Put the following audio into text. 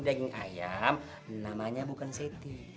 daging ayam namanya bukan seti